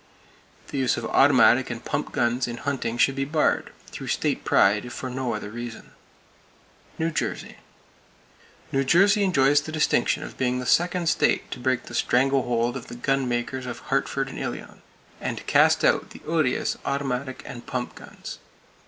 The use of automatic and pump guns in hunting should be barred,—through state pride, if for no other reason. New Jersey: New Jersey enjoys the distinction of being the second state to break [Page 289] the strangle hold of the gun makers of Hartford and Ilion, and cast out the odious automatic and pump guns.